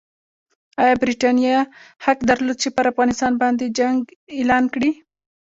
ایا برټانیې حق درلود چې پر افغانستان باندې جنګ اعلان کړي؟